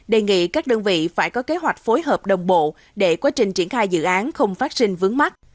đề nghị các đơn vị phải có kế hoạch phối hợp đồng bộ để quá trình triển khai dự án không phát sinh vướng mắt